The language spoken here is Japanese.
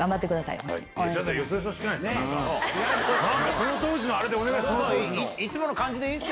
その当時のあれでお願いします。